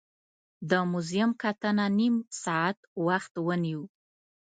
د موزیم کتنه نیم ساعت وخت ونیو.